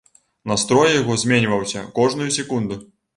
Настрой яго зменьваўся кожную секунду.